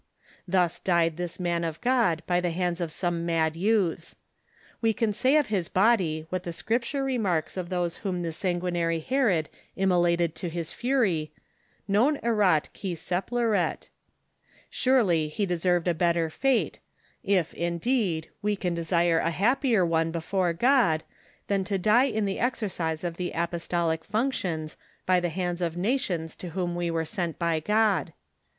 Thus died this man of God by the hands of some mad youths. We can say of his body what the Scripture remarks of those whom the sanguinary Herod immolated to his fury, " Non erat qui sepileret." Surely he deserved a better fate, if, indeed, we can desire a happier one before God, than to die in the exorcise of the apostolic functions, by the hands of nations to whom we are sent by God.